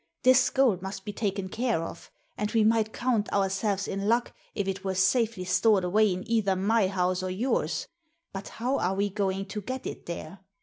This gold must be taken care of, and we might count ourselves in luck if it were safely stored away in either my house or yours; but how are we going to get it there?